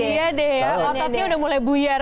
iya deh ya ototnya udah mulai buyar